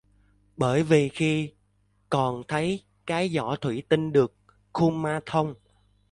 Bởi vì khi còn thấy cái giỏ thủy tinh được kumanthông